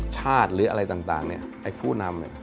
ชาติหรืออะไรต่างเนี่ยไอ้ผู้นำเนี่ย